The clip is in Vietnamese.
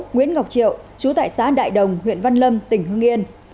sáu nguyễn ngọc triệu trú tại xã đại đồng huyện văn lâm tỉnh hương yên